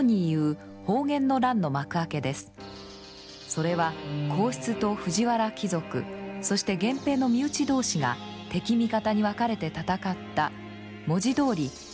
それは皇室と藤原貴族そして源平の身内同士が敵味方に分かれて戦った文字どおり骨肉あい